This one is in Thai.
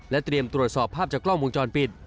เตรียมตรวจสอบภาพจากกล้องวงจรปิด